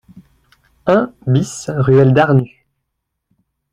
un BIS ruelle Darnus